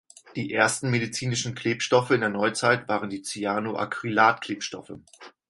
Die ersten medizinischen Klebstoffe in der Neuzeit waren die Cyanoacrylat-Klebstoffe.